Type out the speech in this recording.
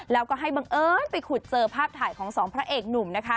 แล้วก็ให้บังเอิญไปขุดเจอภาพถ่ายของสองพระเอกหนุ่มนะคะ